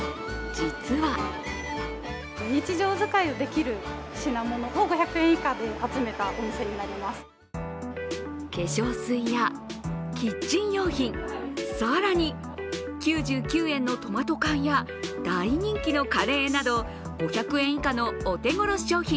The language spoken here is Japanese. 実は化粧水やキッチン用品、更に９９円のトマト缶や大人気のカレーなど、５００円以下のお手ごろ商品